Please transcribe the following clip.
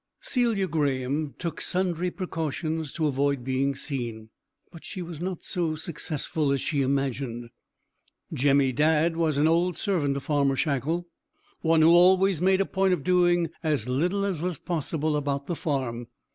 Celia Graeme took sundry precautions to avoid being seen, but she was not so successful as she imagined. Jemmy Dadd was an old servant of Farmer Shackle, one who always made a point of doing as little as was possible about the farm.